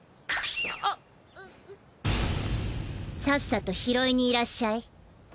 さっさと拾いにいらっしゃい。